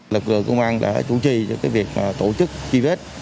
lực lượng công an đã chủ trì cho việc tổ chức truy vết